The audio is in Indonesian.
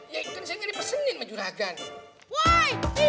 ya kan saya gak dipesenin mah juragan